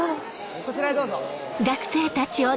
こちらへどうぞ。